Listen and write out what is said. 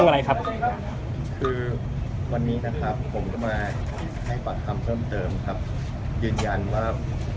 คุณโดดครับวันนี้นะครับขั้นมาให้แบบทำเพิ่มเติมครับยืนยันว่า